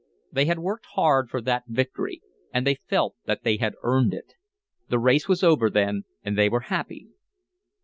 They had worked hard for that victory. And they felt that they had earned it. The race was over then, and they were happy.